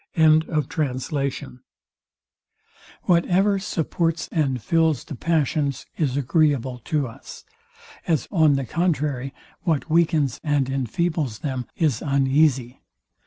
] Whatever supports and fills the passions is agreeable to us; as on the contrary, what weakens and infeebles them is uneasy.